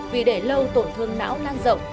vì để lâu tổn thương não lan rộng